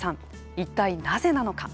一体なぜなのか。